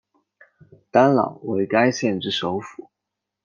丹老为该县之首府。